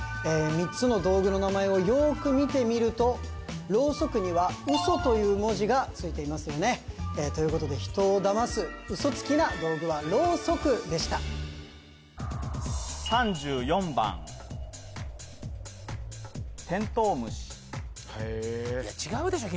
３つの道具の名前をよーく見てみるとろうそくには「うそ」という文字がついていますよねということで人をだますうそつきな道具はろうそくでしたいや違うでしょ